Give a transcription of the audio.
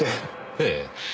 ええ。